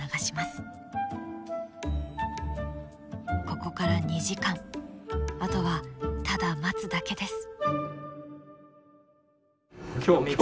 ここから２時間あとはただ待つだけです。